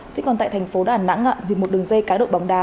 thế còn tại thành phố đà nẵng thì một đường dây cá độ bóng đá